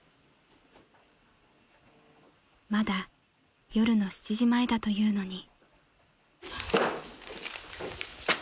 ［まだ夜の７時前だというのに］